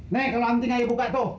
nek kalau anting aja buka tuh